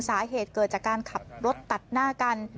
สาเหตุเกิดจากการขับรถตัดหน้ากัน